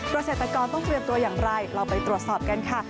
เกษตรกรต้องเตรียมตัวอย่างไรเราไปตรวจสอบกันค่ะ